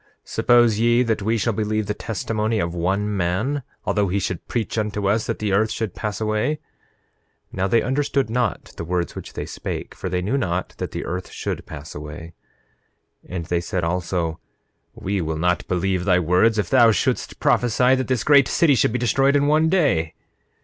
Suppose ye that we shall believe the testimony of one man, although he should preach unto us that the earth should pass away? 9:3 Now they understood not the words which they spake; for they knew not that the earth should pass away. 9:4 And they said also: We will not believe thy words if thou shouldst prophesy that this great city should be destroyed in one day.